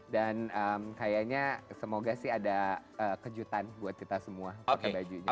dan kayaknya semoga sih ada kejutan buat kita semua pakai bajunya